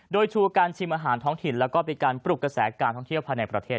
โดยชูการชิมอาหารท้องถิ่นแล้วก็เป็นการปลุกกระแสการท่องเที่ยวภายในประเทศ